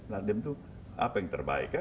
nassim itu apa yang terbaik